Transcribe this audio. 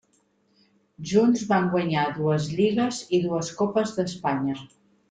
Junts van guanyar dues lligues i dues copes d'Espanya.